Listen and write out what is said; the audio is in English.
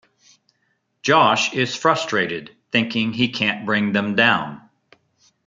Josh is frustrated, thinking he can't bring them down.